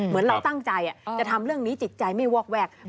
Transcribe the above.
เหมือนเราตั้งใจจะทำเรื่องนี้จิตใจไม่วอกแวก